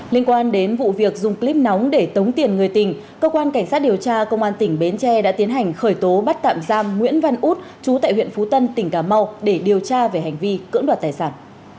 liên quan đến vụ việc dùng clip nóng để tống tiền người tình cơ quan cảnh sát điều tra công an tỉnh bến tre đã tiến hành khởi tố bắt tạm giam nguyễn văn út chú tại huyện phú tân tỉnh cà mau để điều tra về hành vi cưỡng đoạt tài sản